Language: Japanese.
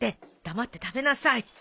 黙って食べなさい。